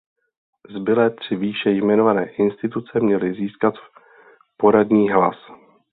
Zbylé tři výše jmenované instituce měly získat poradní hlas.